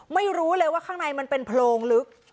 ไม่รู้เลยว่าข้างในมันเป็นโพรงลึก